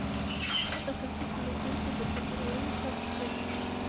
هغه د کرکټ لوبډلې ته د سندرې ویلو شرط کېښود